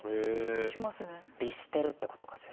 律してるってことかしら？